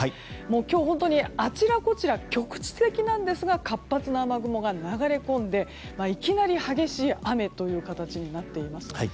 今日、本当にあちらこちら局地的なんですが活発な雨雲が流れ込んでいきなり激しい雨という形になっています。